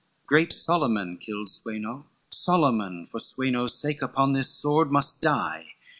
XXXVI "'Great Solyman killed Sweno, Solyman For Sweno's sake, upon this sword must die.